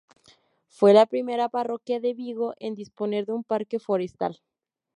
Fue la primera parroquia de Vigo en disponer de un parque forestal.